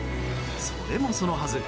それもそのはず